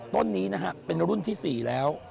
ต้นนี้นะฮะเป็นรุ่นที่๔แล้ว